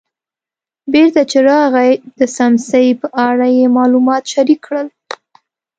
بېرته چې راغی د څمڅې په اړه یې معلومات شریک کړل.